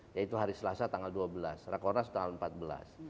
yaitu hari selasa tanggal dua belas rakornas tanggal empat belas